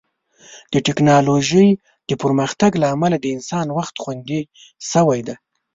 د ټیکنالوژۍ د پرمختګ له امله د انسان وخت خوندي شوی دی.